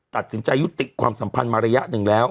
ตัดสินใจยุติความสัมพันธ์มาระยะหนึ่งแล้ว